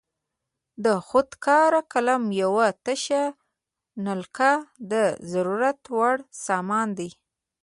د خود کار قلم یوه تشه نلکه د ضرورت وړ سامان دی.